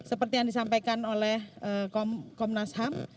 seperti yang disampaikan oleh komnas ham